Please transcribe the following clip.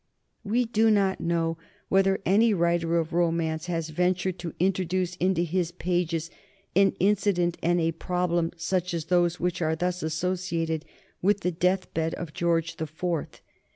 We do not know whether any writer of romance has ventured to introduce into his pages an incident and a problem such as those which are thus associated with the death bed of George the Fourth.